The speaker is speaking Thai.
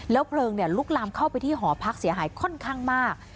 เพลิงลุกลามเข้าไปที่หอพักเสียหายค่อนข้างมาก